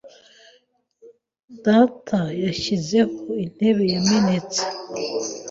Data yashyizeho intebe yamenetse .